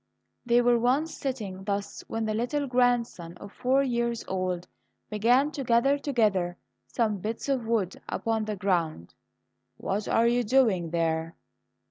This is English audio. They were once sitting thus when the little grandson of four years old began to gather together some bits of wood upon the ground. "What are you doing there?"